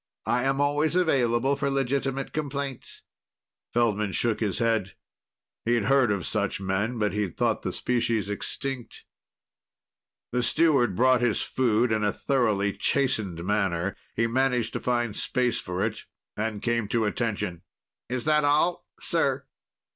I am always available for legitimate complaints." Feldman shook his head. He'd heard of such men. But he'd thought the species extinct. The steward brought his food in a thoroughly chastened manner. He managed to find space for it and came to attention. "Is that all sir?"